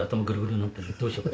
どうしようか？